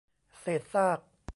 เศษซาก